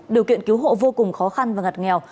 điều kiện cứu hộ vô cùng khó khăn và ngặt nghèo